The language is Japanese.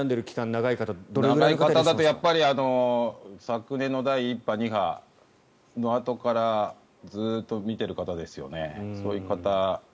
長い方だと昨年の第１波、第２波のあとからずっと診ている方ですよね。